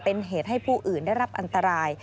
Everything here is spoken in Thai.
เป็นเหตุให้ผู้อื่นได้รับอันตราย